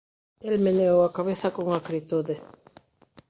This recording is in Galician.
El meneou a cabeza con acritude.